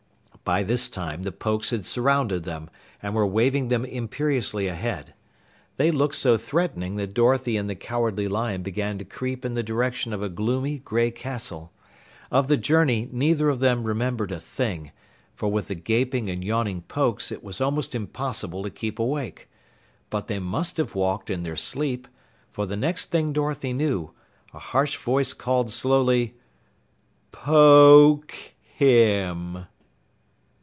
By this time, the Pokes had surrounded them and were waving them imperiously ahead. They looked so threatening that Dorothy and the Cowardly Lion began to creep in the direction of a gloomy, gray castle. Of the journey neither of them remembered a thing, for with the gaping and yawning Pokes it was almost impossible to keep awake. But they must have walked in their sleep, for the next thing Dorothy knew, a harsh voice called slowly: "Poke him!"